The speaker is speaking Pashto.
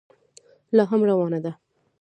لا هم روانه ده.